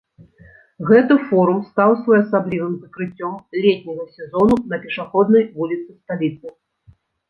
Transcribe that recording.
Гэты форум стаў своеасаблівым закрыццём летняга сезону на пешаходнай вуліцы сталіцы.